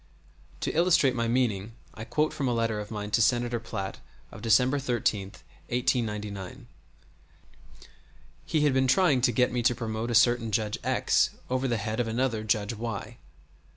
[*] To illustrate my meaning I quote from a letter of mine to Senator Platt of December 13, 1899. He had been trying to get me to promote a certain Judge X over the head of another Judge Y.